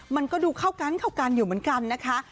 มันก็ดูเข้ากันเข้ากันอยู่เหมือนกันนะคะ